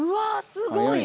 すごい！